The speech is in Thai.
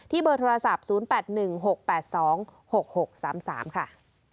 เบอร์โทรศัพท์๐๘๑๖๘๒๖๖๓๓ค่ะ